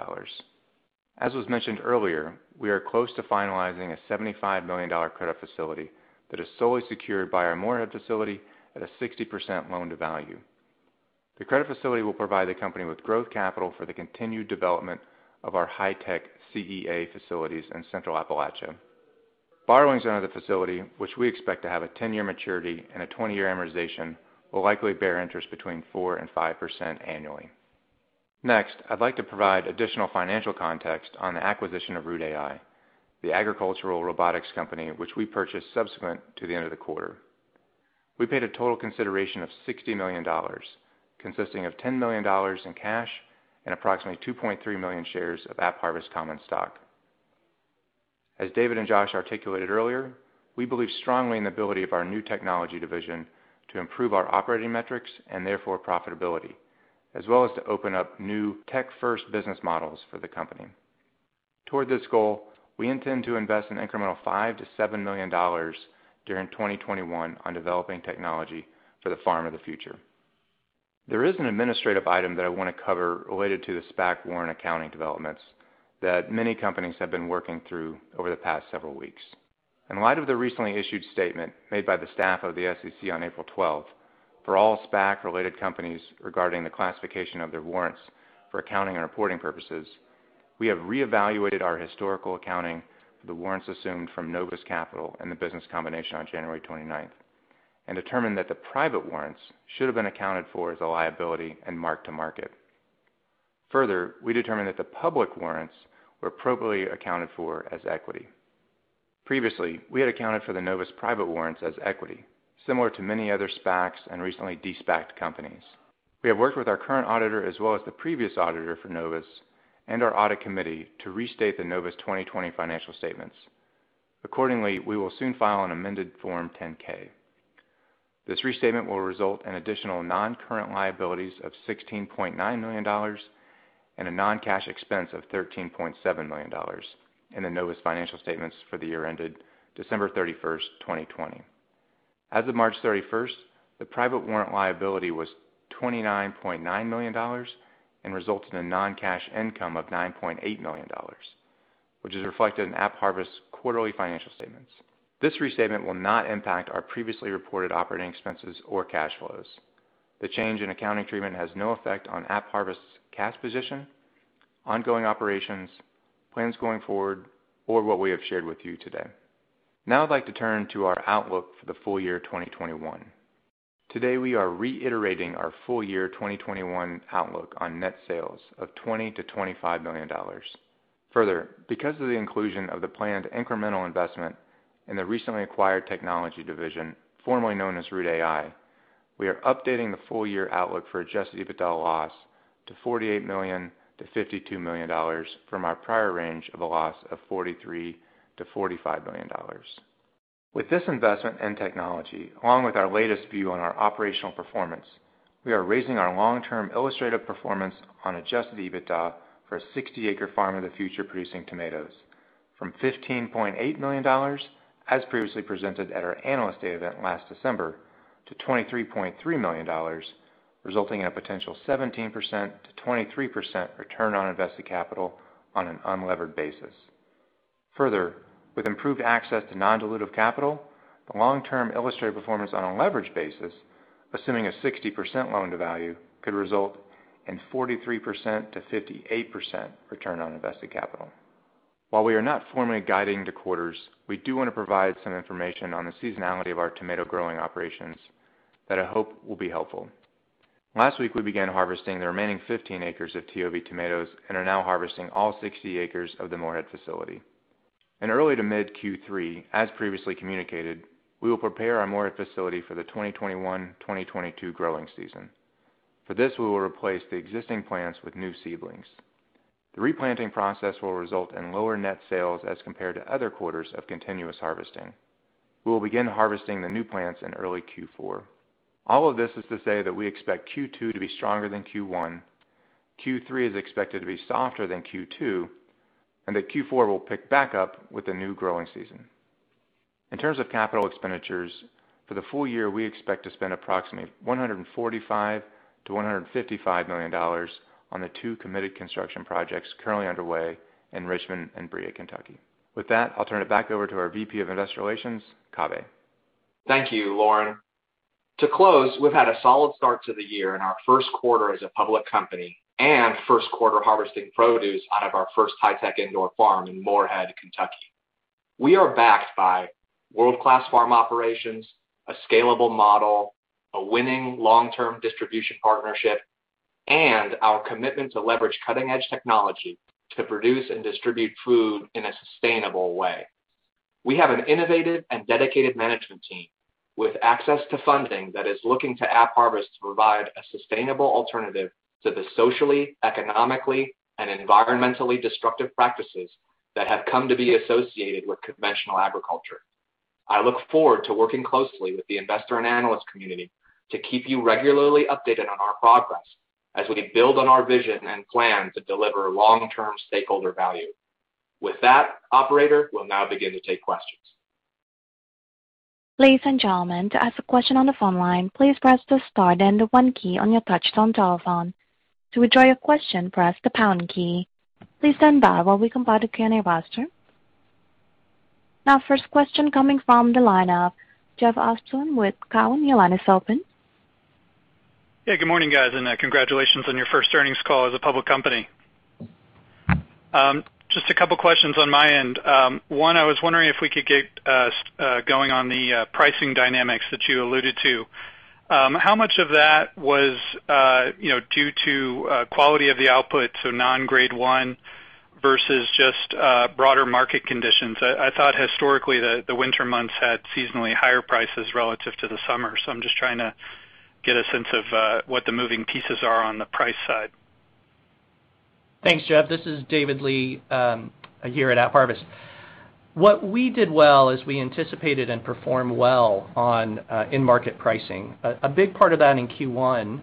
As was mentioned earlier, we are close to finalizing a $75 million credit facility that is solely secured by our Morehead facility at a 60% loan-to-value. The credit facility will provide the company with growth capital for the continued development of our high-tech CEA facilities in Central Appalachia. Borrowings under the facility, which we expect to have a 10-year maturity and a 20-year amortization, will likely bear interest between 4% and 5% annually. Next, I'd like to provide additional financial context on the acquisition of Root AI, the agricultural robotics company which we purchased subsequent to the end of the quarter. We paid a total consideration of $60 million, consisting of $10 million in cash and approximately 2.3 million shares of AppHarvest common stock. As David and Josh articulated earlier, we believe strongly in the ability of our new technology division to improve our operating metrics and therefore profitability, as well as to open up new tech-first business models for the company. Toward this goal, we intend to invest an incremental $5 million-$7 million during 2021 on developing technology for the farm of the future. There is an administrative item that I want to cover related to the SPAC warrant accounting developments that many companies have been working through over the past several weeks. In light of the recently issued statement made by the staff of the SEC on April 12th, for all SPAC-related companies regarding the classification of their warrants for accounting and reporting purposes, we have reevaluated our historical accounting for the warrants assumed from Novus Capital and the business combination on January 29th and determined that the private warrants should have been accounted for as a liability and marked to market. We determined that the public warrants were appropriately accounted for as equity. Previously, we had accounted for the Novus private warrants as equity, similar to many other SPACs and recently de-SPACed companies. We have worked with our current auditor as well as the previous auditor for Novus and our audit committee to restate the Novus 2020 financial statements. We will soon file an amended Form 10-K. This restatement will result in additional non-current liabilities of $16.9 million and a non-cash expense of $13.7 million in the Novus financial statements for the year ended December 31st, 2020. As of March 31st, the private warrant liability was $29.9 million and resulted in a non-cash income of $9.8 million, which is reflected in AppHarvest's quarterly financial statements. This restatement will not impact our previously reported operating expenses or cash flows. The change in accounting treatment has no effect on AppHarvest's cash position, ongoing operations, plans going forward, or what we have shared with you today. Now I'd like to turn to our outlook for the full year 2021. Today, we are reiterating our full year 2021 outlook on net sales of $20 million-$25 million. Further, because of the inclusion of the planned incremental investment in the recently acquired technology division, formerly known as Root AI, we are updating the full year outlook for adjusted EBITDA loss to $48 million-$52 million from our prior range of a loss of $43 million-$45 million. With this investment in technology, along with our latest view on our operational performance, we are raising our long-term illustrative performance on adjusted EBITDA for a 60-acre farm of the future producing tomatoes from $15.8 million, as previously presented at our Analyst Day event last December, to $23.3 million. Resulting in a potential 17%-23% Return on Invested Capital on an unlevered basis. With improved access to non-dilutive capital, the long-term illustrated performance on a leveraged basis, assuming a 60% loan-to-value, could result in 43%-58% Return on Invested Capital. While we are not formally guiding to quarters, we do want to provide some information on the seasonality of our tomato growing operations that I hope will be helpful. Last week, we began harvesting the remaining 15 acres of TOV tomatoes and are now harvesting all 60 acres of the Morehead facility. In early to mid Q3, as previously communicated, we will prepare our Morehead facility for the 2021-2022 growing season. For this, we will replace the existing plants with new seedlings. The replanting process will result in lower net sales as compared to other quarters of continuous harvesting. We will begin harvesting the new plants in early Q4. All of this is to say that we expect Q2 to be stronger than Q1. Q3 is expected to be softer than Q2, and that Q4 will pick back up with the new growing season. In terms of capital expenditures, for the full year we expect to spend approximately $145 million-$155 million on the two committed construction projects currently underway in Richmond and Berea, Kentucky. With that, I'll turn it back over to our VP of Investor Relations, Kaveh. Thank you, Loren. To close, we've had a solid start to the year in our first quarter as a public company and first quarter harvesting produce out of our first high-tech indoor farm in Morehead, Kentucky. We are backed by world-class farm operations, a scalable model, a winning long-term distribution partnership, and our commitment to leverage cutting-edge technology to produce and distribute food in a sustainable way. We have an innovative and dedicated management team with access to funding that is looking to AppHarvest to provide a sustainable alternative to the socially, economically, and environmentally destructive practices that have come to be associated with conventional agriculture. I look forward to working closely with the investor and analyst community to keep you regularly updated on our progress as we build on our vision and plan to deliver long-term stakeholder value. With that, operator, we'll now begin to take questions. Ladies and gentlemen to ask a question on the phone line, press the star then one key on your touch-tone telephone. To withdraw your question, press the pound key. Please stand by while we compile the Q&A roster. First question coming from the lineup, Jeff Osborne with Cowen, your line is open. Good morning, guys, and congratulations on your first earnings call as a public company. Just a couple questions on my end. One, I was wondering if we could get going on the pricing dynamics that you alluded to. How much of that was due to quality of the output, so Non-Grade 1, versus just broader market conditions? I thought historically that the winter months had seasonally higher prices relative to the summer. I'm just trying to get a sense of what the moving pieces are on the price side. Thanks, Jeff. This is David Lee here at AppHarvest. What we did well is we anticipated and performed well on in-market pricing. A big part of that in Q1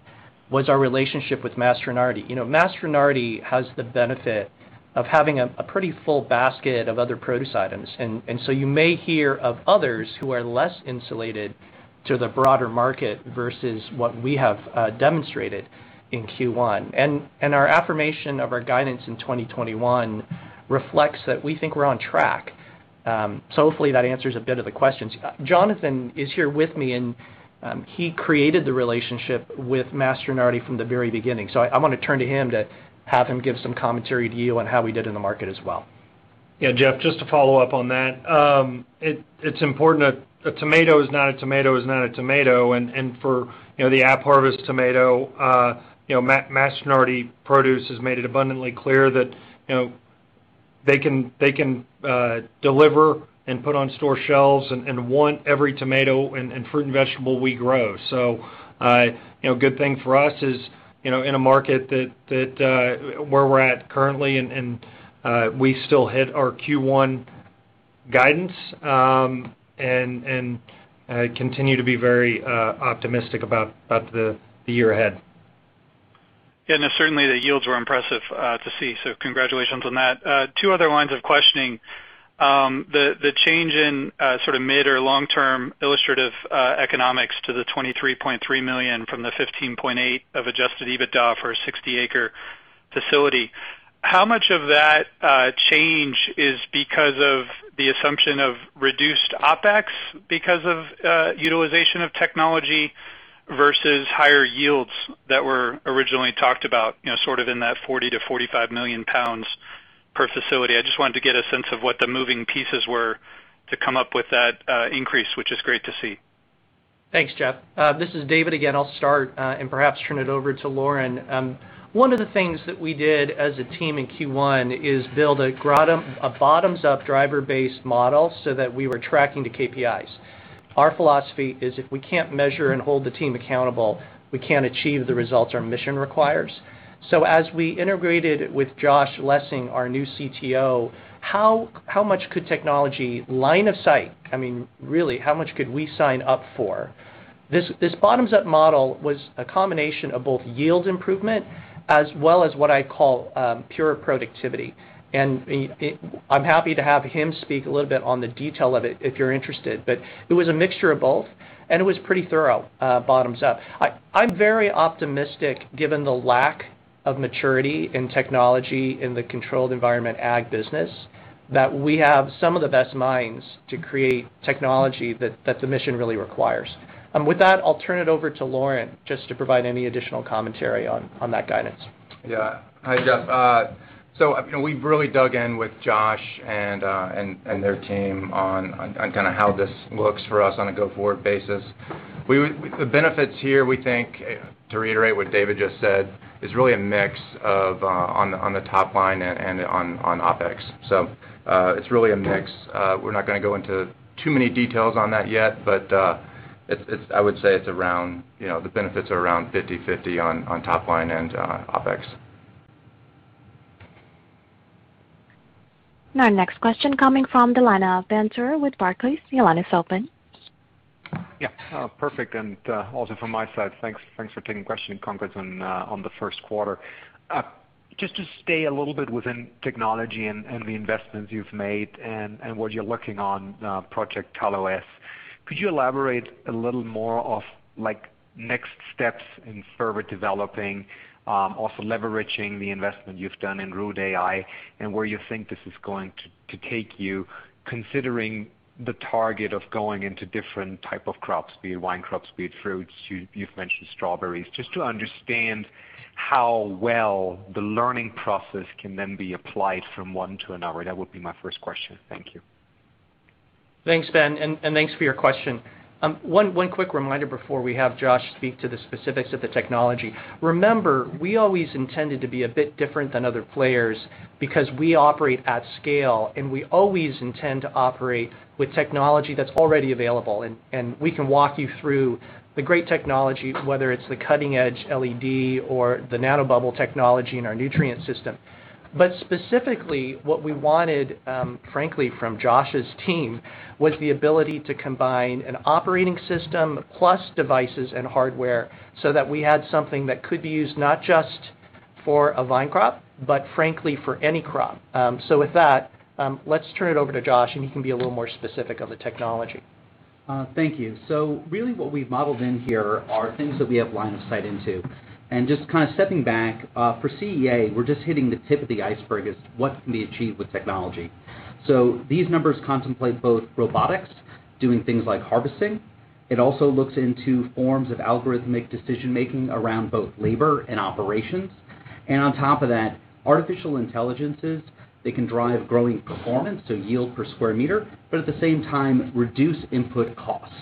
was our relationship with Mastronardi. Mastronardi has the benefit of having a pretty full basket of other produce items, and so you may hear of others who are less insulated to the broader market versus what we have demonstrated in Q1. Our affirmation of our guidance in 2021 reflects that we think we're on track. Hopefully that answers a bit of the questions. Jonathan is here with me, and he created the relationship with Mastronardi from the very beginning. I want to turn to him to have him give some commentary to you on how we did in the market as well. Jeff, just to follow up on that. It's important, a tomato is not a tomato is not a tomato. For the AppHarvest tomato, Mastronardi Produce has made it abundantly clear that they can deliver and put on store shelves and want every tomato and fruit and vegetable we grow. A good thing for us is in a market where we're at currently. We still hit our Q1 guidance. Continue to be very optimistic about the year ahead. Yeah, no, certainly the yields were impressive to see. Congratulations on that. Two other lines of questioning. The change in sort of mid or long-term illustrative economics to the $23.3 million from the $15.8 of adjusted EBITDA for a 60-acre facility. How much of that change is because of the assumption of reduced OpEx because of utilization of technology versus higher yields that were originally talked about sort of in that 40 million-45 million pounds per facility? I just wanted to get a sense of what the moving pieces were to come up with that increase, which is great to see. Thanks, Jeff. This is David again. I'll start and perhaps turn it over to Loren. One of the things that we did as a team in Q1 is build a bottoms-up driver-based model so that we were tracking the KPIs. Our philosophy is if we can't measure and hold the team accountable, we can't achieve the results our mission requires. As we integrated with Josh Lessing, our new CTO, how much could technology line of sight, I mean, really, how much could we sign up for? This bottoms-up model was a combination of both yield improvement as well as what I call pure productivity. I'm happy to have him speak a little bit on the detail of it if you're interested. It was a mixture of both, and it was pretty thorough bottoms up. I'm very optimistic given the lack of maturity in technology in the controlled environment ag business, that we have some of the best minds to create technology that the mission really requires. With that, I'll turn it over to Loren just to provide any additional commentary on that guidance. Yeah. Hi, Jeff. We've really dug in with Josh and their team on kind of how this looks for us on a go-forward basis. The benefits here, we think, to reiterate what David just said, is really a mix on the top line and on OpEx. It's really a mix. We're not going to go into too many details on that yet, but I would say the benefits are around 50/50 on top line and OpEx. Our next question coming from the line of Ben Theurer with Barclays. Your line is open. Perfect. Also from my side, thanks for taking questions on the first quarter. Just to stay a little bit within technology and the investments you've made and what you're working on, Project Talos. Could you elaborate a little more of next steps in further developing, also leveraging the investment you've done in Root AI and where you think this is going to take you, considering the target of going into different type of crops, be it vine crops, be it fruits, you've mentioned strawberries. Just to understand how well the learning process can then be applied from one to another. That would be my first question. Thank you. Thanks, Ben, and thanks for your question. One quick reminder before we have Josh speak to the specifics of the technology. Remember, we always intended to be a bit different than other players because we operate at scale, and we always intend to operate with technology that's already available. We can walk you through the great technology, whether it's the cutting-edge LED or the nanobubble technology in our nutrient system. Specifically, what we wanted, frankly, from Josh's team, was the ability to combine an operating system plus devices and hardware so that we had something that could be used not just for a vine crop, but frankly for any crop. With that, let's turn it over to Josh, and he can be a little more specific on the technology. Thank you. Really what we've modeled in here are things that we have line of sight into. Just kind of stepping back, for CEA, we're just hitting the tip of the iceberg as to what can be achieved with technology. These numbers contemplate both robotics, doing things like harvesting. It also looks into forms of algorithmic decision-making around both labor and operations. On top of that, artificial intelligences, they can drive growing performance, so yield per square meter, but at the same time, reduce input costs.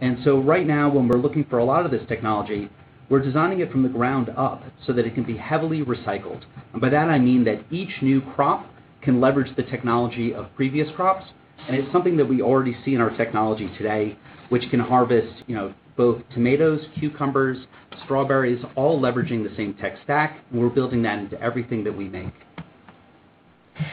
Right now, when we're looking for a lot of this technology, we're designing it from the ground up so that it can be heavily recycled. By that, I mean that each new crop can leverage the technology of previous crops, and it's something that we already see in our technology today, which can harvest both tomatoes, cucumbers, strawberries, all leveraging the same tech stack, and we're building that into everything that we make.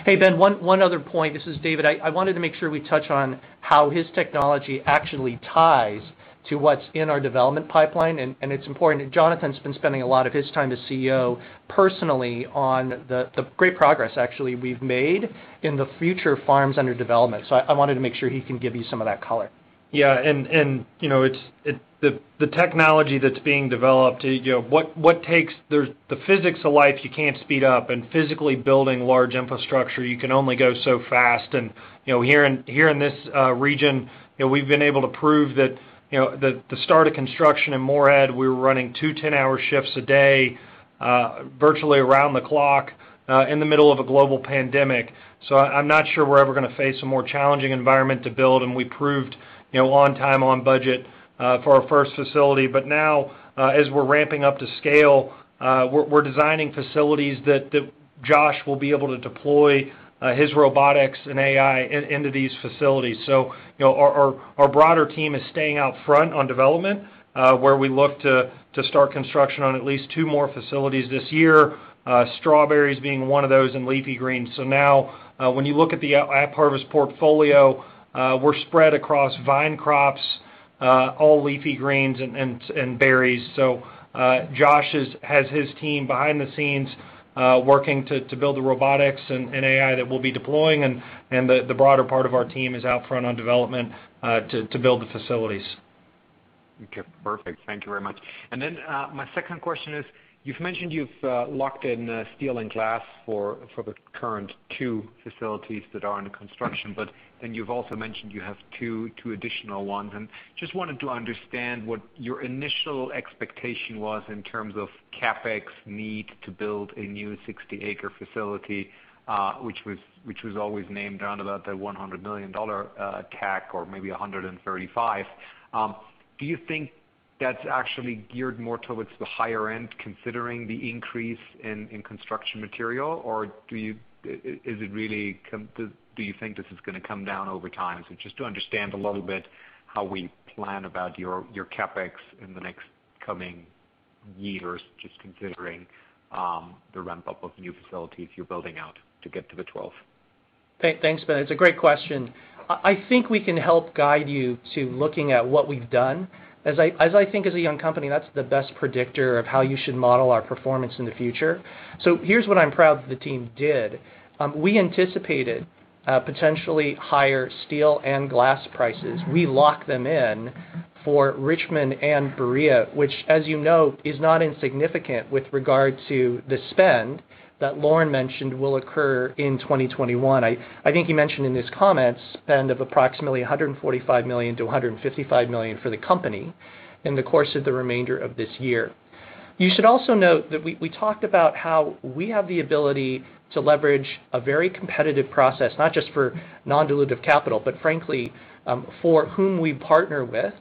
Hey, Ben, one other point. This is David. I wanted to make sure we touch on how his technology actually ties to what's in our development pipeline. It's important. Jonathan's been spending a lot of his time as CEO personally on the great progress actually we've made in the future farms under development. I wanted to make sure he can give you some of that color. Yeah, the technology that's being developed, the physics of life you can't speed up, and physically building large infrastructure, you can only go so fast. Here in this region, we've been able to prove that the start of construction in Morehead, we were running two 10-hour shifts a day, virtually around the clock, in the middle of a global pandemic. I'm not sure we're ever going to face a more challenging environment to build, and we proved on time, on budget for our first facility. Now, as we're ramping up to scale, we're designing facilities that Josh will be able to deploy his robotics and AI into these facilities. Our broader team is staying out front on development, where we look to start construction on at least two more facilities this year, strawberries being one of those, and leafy greens. Now, when you look at the AppHarvest portfolio, we're spread across vine crops, all leafy greens, and berries. Josh has his team behind the scenes, working to build the robotics and AI that we'll be deploying, and the broader part of our team is out front on development to build the facilities. Okay, perfect. Thank you very much. My second question is, you've mentioned you've locked in steel and glass for the current two facilities that are under construction, but then you've also mentioned you have two additional ones. Just wanted to understand what your initial expectation was in terms of CapEx need to build a new 60-acre facility, which was always named around about the $100 million tag or maybe $135 million. Do you think that's actually geared more towards the higher end, considering the increase in construction material, or do you think this is going to come down over time? Just to understand a little bit how we plan about your CapEx in the next coming years, just considering the ramp-up of new facilities you're building out to get to the 12 facilities. Thanks, Ben Theurer. It's a great question. I think we can help guide you to looking at what we've done. As I think as a young company, that's the best predictor of how you should model our performance in the future. Here's what I'm proud that the team did. We anticipated potentially higher steel and glass prices. We lock them in for Richmond and Berea, which as you know, is not insignificant with regard to the spend that Loren mentioned will occur in 2021. I think you mentioned in these comments spend of approximately $145 million-$155 million for the company in the course of the remainder of this year. You should also note that we talked about how we have the ability to leverage a very competitive process, not just for non-dilutive capital, but frankly, for whom we partner with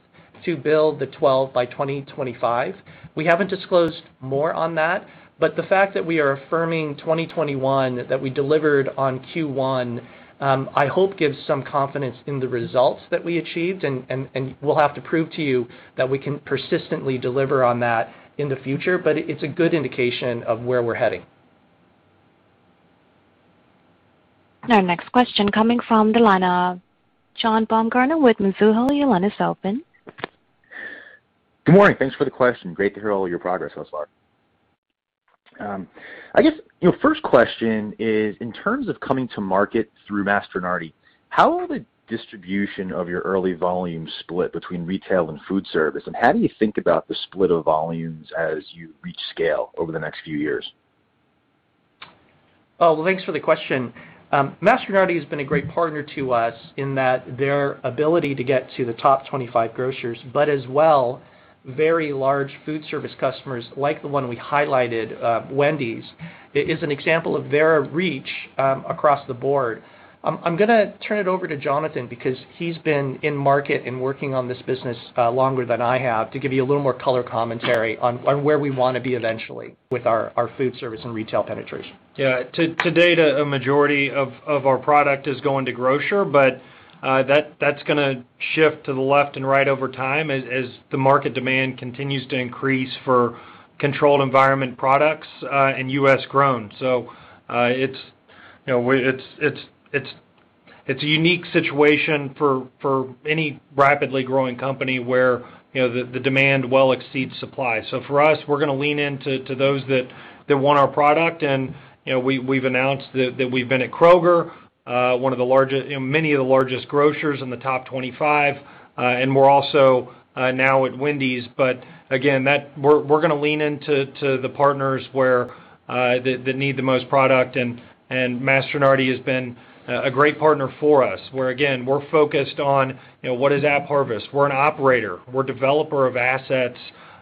to build the 12 by 2025. We haven't disclosed more on that, but the fact that we are affirming 2021 that we delivered on Q1, I hope gives some confidence in the results that we achieved, and we'll have to prove to you that we can persistently deliver on that in the future. It's a good indication of where we're heading. Our next question coming from the line of John Baumgartner with Mizuho. Your line is open. Good morning. Thanks for the question. Great to hear all your progress thus far. I guess the first question is, in terms of coming to market through Mastronardi, how are the distribution of your early volumes split between retail and food service, and how do you think about the split of volumes as you reach scale over the next few years? Well, thanks for the question. Mastronardi has been a great partner to us in that their ability to get to the top 25 grocers, but as well, very large food service customers like the one we highlighted, Wendy's, is an example of their reach across the board. I'm going to turn it over to Jonathan because he's been in market and working on this business longer than I have to give you a little more color commentary on where we want to be eventually with our food service and retail penetration. To date, a majority of our product is going to grocer, but that's going to shift to the left and right over time as the market demand continues to increase for controlled environment products and U.S. grown. It's a unique situation for any rapidly growing company where the demand well exceeds supply. For us, we're going to lean into those that want our product, and we've announced that we've been at Kroger, many of the largest grocers in the top 25, and we're also now at Wendy's. Again, we're going to lean into the partners that need the most product, and Mastronardi has been a great partner for us, where again, we're focused on what is AppHarvest. We're an operator, we're a developer of assets,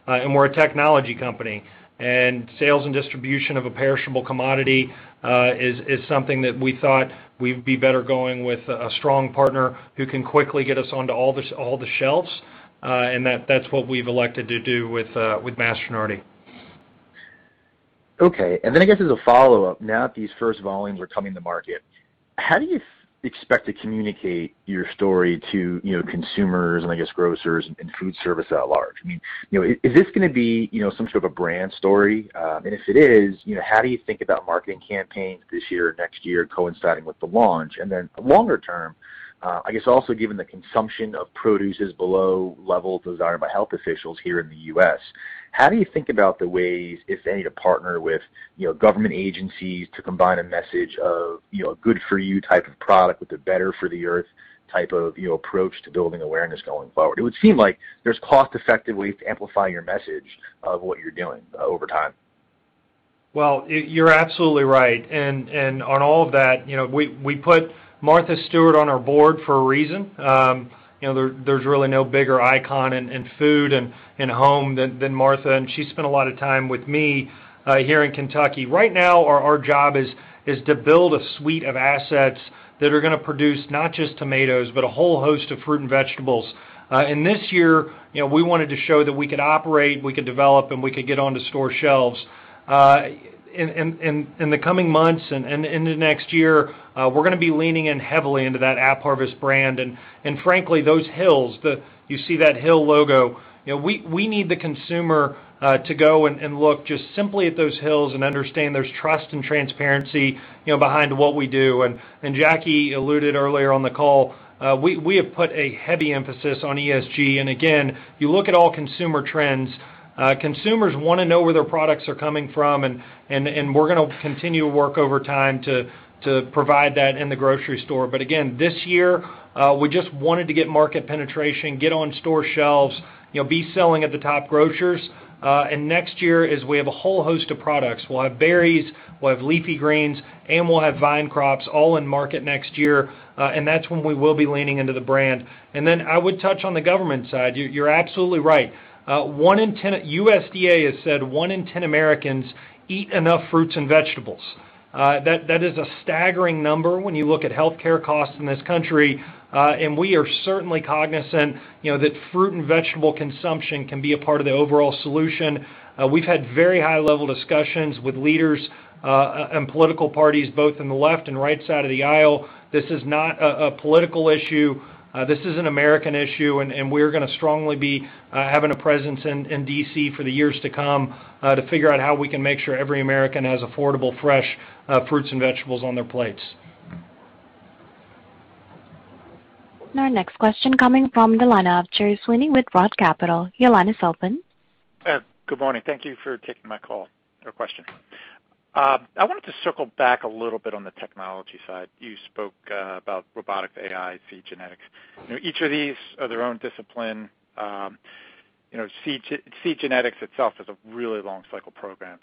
and we're a technology company. Sales and distribution of a perishable commodity is something that we thought we'd be better going with a strong partner who can quickly get us onto all the shelves. That's what we've elected to do with Mastronardi. Okay. Then I guess as a follow-up, now that these first volumes are coming to market, how do you expect to communicate your story to consumers, and I guess grocers and food service at large? Is this going to be some sort of brand story? If it is, how do you think about marketing campaigns this year or next year coinciding with the launch? Then longer term, I guess also given the consumption of produce is below levels desired by health officials here in the U.S., how do you think about the ways, if any, to partner with government agencies to combine a message of good for you type of product with a better for the Earth type of approach to building awareness going forward? It would seem like there's cost-effective ways to amplify your message of what you're doing over time. Well, you're absolutely right. On all of that, we put Martha Stewart on our board for a reason. There's really no bigger icon in food and home than Martha, and she spent a lot of time with me here in Kentucky. Right now, our job is to build a suite of assets that are going to produce not just tomatoes, but a whole host of fruit and vegetables. This year, we wanted to show that we could operate, we could develop, and we could get onto store shelves. In the coming months and into next year, we're going to be leaning in heavily into that AppHarvest brand. Frankly, those hills, you see that hill logo, we need the consumer to go and look just simply at those hills and understand there's trust and transparency behind what we do. Jackie alluded earlier on the call, we have put a heavy emphasis on ESG. Again, you look at all consumer trends, consumers want to know where their products are coming from, and we're going to continue to work over time to provide that in the grocery store. Again, this year, we just wanted to get market penetration, get on store shelves, be selling at the top grocers. Next year is we have a whole host of products. We'll have berries, we'll have leafy greens, and we'll have vine crops all in market next year. That's when we will be leaning into the brand. Then I would touch on the government side. You're absolutely right. USDA has said 1/10 Americans eat enough fruits and vegetables. That is a staggering number when you look at healthcare costs in this country. We are certainly cognizant that fruit and vegetable consumption can be a part of the overall solution. We've had very high-level discussions with leaders and political parties both in the left and right side of the aisle. This is not a political issue. This is an American issue. We're going to strongly be having a presence in D.C. for the years to come to figure out how we can make sure every American has affordable fresh fruits and vegetables on their plates. Our next question coming from the line of Gerard Sweeney with Roth Capital Partners. Your line is open. Good morning. Thank you for taking my call. A question. I wanted to circle back a little bit on the technology side. You spoke about robotic AI, seed genetics. Each of these are their own discipline. Seed genetics itself is a really long cycle program.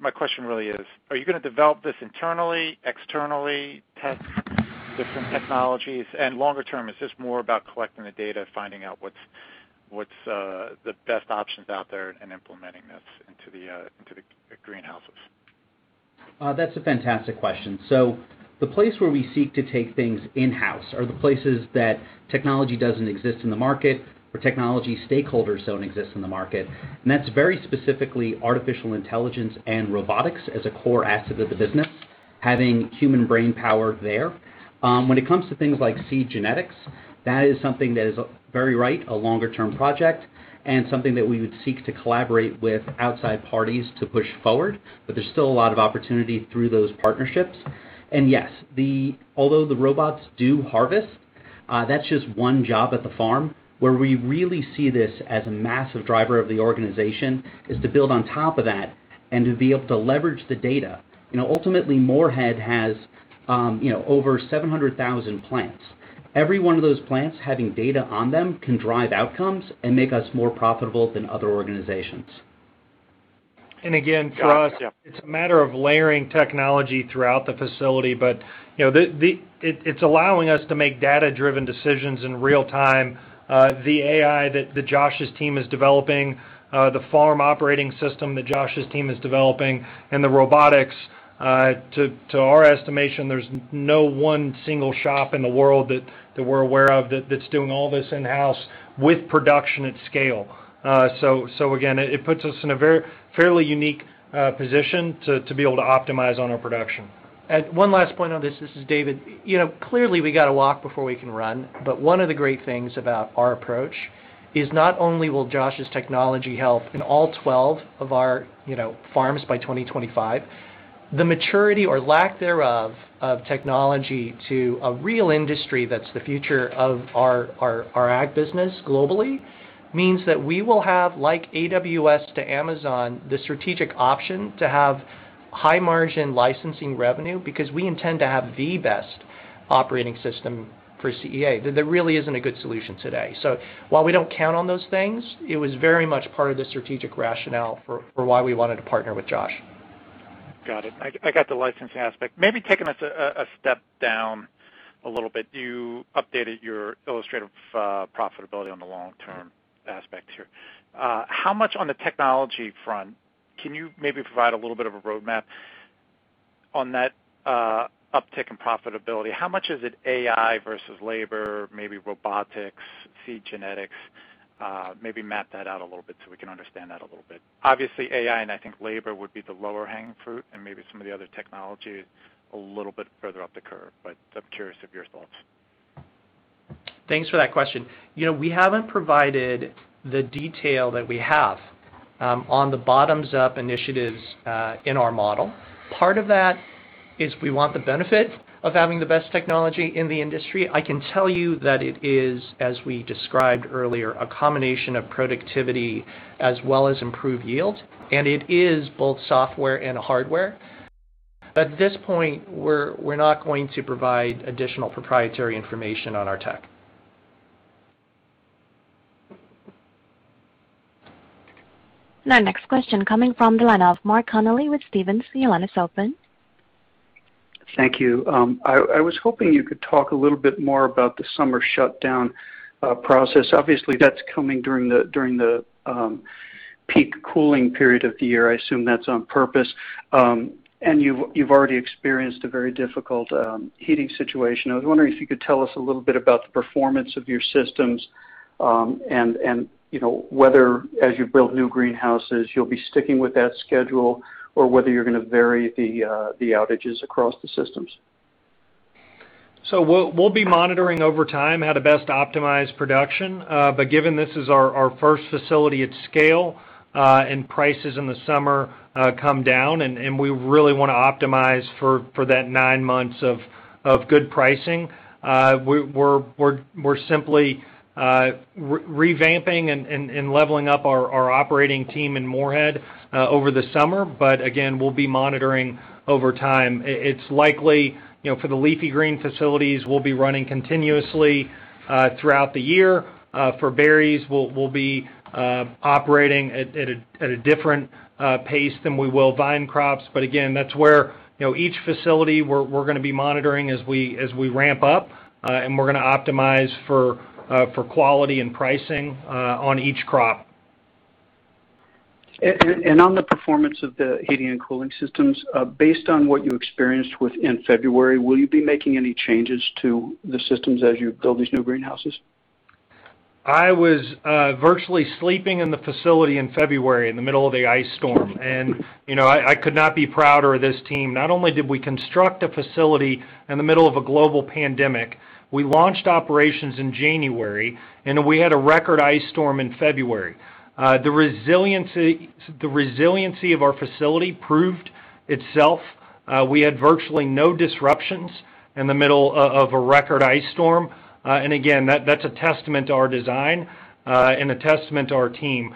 My question really is, are you going to develop this internally, externally, test different technologies? Longer term, is this more about collecting the data, finding out what's the best options out there, and implementing this into the greenhouses? That's a fantastic question. The place where we seek to take things in-house are the places that technology doesn't exist in the market or technology stakeholders don't exist in the market. That's very specifically artificial intelligence and robotics as a core asset of the business, having human brainpower there. When it comes to things like seed genetics, that is something that is very right, a longer-term project, and something that we would seek to collaborate with outside parties to push forward. There's still a lot of opportunity through those partnerships. Yes, although the robots do harvest, that's just one job at the farm. Where we really see this as a massive driver of the organization is to build on top of that and to be able to leverage the data. Ultimately, Morehead has over 700,000 plants. Every one of those plants having data on them can drive outcomes and make us more profitable than other organizations. Again, Josh, it's a matter of layering technology throughout the facility, but it's allowing us to make data-driven decisions in real time. The AI that Josh's team is developing, the farm operating system that Josh's team is developing, and the robotics, to our estimation, there's no one single shop in the world that we're aware of that's doing all this in-house with production at scale. Again, it puts us in a fairly unique position to be able to optimize on our production. One last point on this. This is David. Clearly we got to walk before we can run, but one of the great things about our approach is not only will Josh's technology help in all 12 of our farms by 2025, the maturity or lack thereof of technology to a real industry that's the future of our ag business globally means that we will have, like AWS to Amazon, the strategic option to have high-margin licensing revenue because we intend to have the best operating system for CEA. There really isn't a good solution today. While we don't count on those things, it was very much part of the strategic rationale for why we wanted to partner with Josh. Got it. I got the licensing aspect. Maybe taking us a step down a little bit. You updated your illustrative profitability on the long-term aspect here. How much on the technology front, can you maybe provide a little bit of a roadmap on that uptick in profitability? How much is it AI versus labor, maybe robotics, seed genetics? Maybe map that out a little bit so we can understand that a little bit. Obviously, AI and I think labor would be the lower hanging fruit and maybe some of the other technologies a little bit further up the curve, but I'm curious of your thoughts. Thanks for that question. We haven't provided the detail that we have on the bottoms-up initiatives in our model. Part of that is we want the benefit of having the best technology in the industry. I can tell you that it is, as we described earlier, a combination of productivity as well as improved yield, and it is both software and hardware. At this point, we're not going to provide additional proprietary information on our tech. Our next question coming from the line of Mark Connelly with Stephens. Your line is open. Thank you. I was hoping you could talk a little bit more about the summer shutdown process. Obviously, that's coming during the peak cooling period of the year. I assume that's on purpose. You've already experienced a very difficult heating situation. I was wondering if you could tell us a little bit about the performance of your systems and whether as you build new greenhouses, you'll be sticking with that schedule or whether you're going to vary the outages across the systems. We'll be monitoring over time how to best optimize production. Given this is our first facility at scale and prices in the summer come down and we really want to optimize for that nine months of good pricing, we're simply revamping and leveling up our operating team in Morehead over the summer. Again, we'll be monitoring over time. It's likely for the leafy green facilities, we'll be running continuously throughout the year. For berries, we'll be operating at a different pace than we will vine crops. Again, that's where each facility we're going to be monitoring as we ramp up, and we're going to optimize for quality and pricing on each crop. On the performance of the heating and cooling systems, based on what you experienced in February, will you be making any changes to the systems as you build these new greenhouses? I was virtually sleeping in the facility in February in the middle of the ice storm. I could not be prouder of this team. Not only did we construct a facility in the middle of a global pandemic, we launched operations in January, and we had a record ice storm in February. The resiliency of our facility proved itself. We had virtually no disruptions in the middle of a record ice storm. Again, that's a testament to our design and a testament to our team.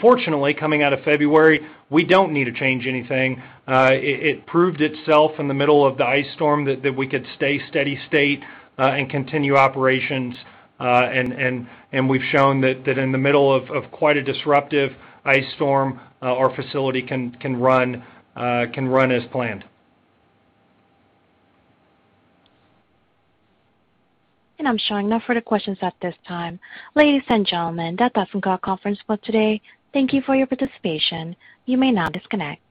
Fortunately, coming out of February, we don't need to change anything. It proved itself in the middle of the ice storm that we could stay steady state and continue operations. We've shown that in the middle of quite a disruptive ice storm, our facility can run as planned. I'm showing no further questions at this time. Ladies and gentlemen, that's it for our conference call today. Thank you for your participation. You may now disconnect.